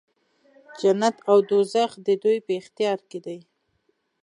جنت او دوږخ د دوی په اختیار کې دی.